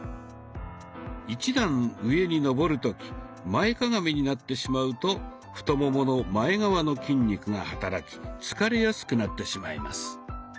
１段上に上る時前かがみになってしまうと太ももの前側の筋肉が働き疲れやすくなってしまいます。